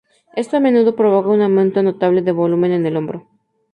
Esto a menudo provoca un aumento notable de volumen en el hombro.